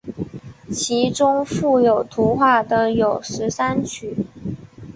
其中附有图画的有十三曲。